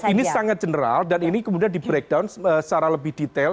ini sangat general dan ini kemudian di breakdown secara lebih detail